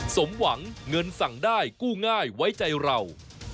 สมหวังเงินสั่งได้กู้ง่ายไว้ใจเรา